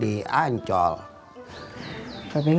diulang tahuninnya diancol